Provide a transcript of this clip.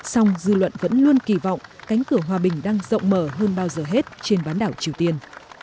song dư luận vẫn luôn kỳ vọng cánh cửa hòa bình đang rộng mở hơn bao giờ hết trên bán đảo triều tiên